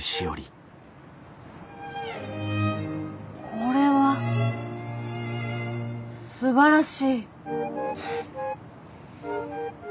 これはすばらしい。